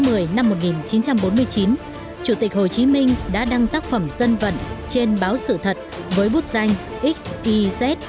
tháng một mươi năm một nghìn chín trăm bốn mươi chín chủ tịch hồ chí minh đã đăng tác phẩm dân vận trên báo sự thật với bút danh x i z